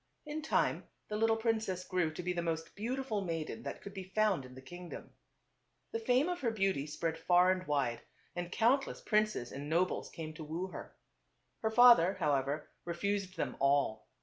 In time the little princess grew to be the most beautiful maiden that could be found in the king dom. The fame of her beauty spread far and wide, and countless princes and nobles came to woo her. Her father, however, refused them all.